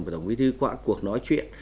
của tổng bí thư qua những cuộc nói chuyện